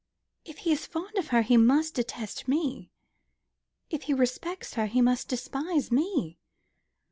If he is fond of her, he must detest me. If he respects her, he must despise me."